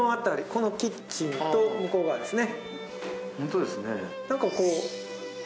このキッチンと向こう側ですね。